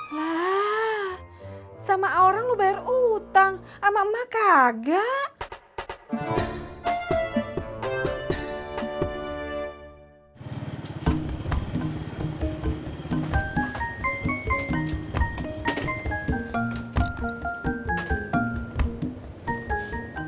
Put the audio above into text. lah sama orang lu bayar utang ama emak kagak